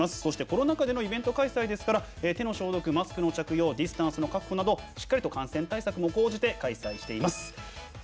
そして、コロナ禍でのイベント開催ですから手の消毒やディスタンスの確保などしっかりと感染対策をして開催しています。